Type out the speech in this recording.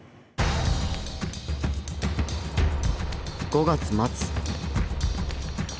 ５月末。